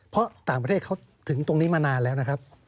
เพราะต่างประเทศเขาถึงตรงนี้มานานแล้วนะครับ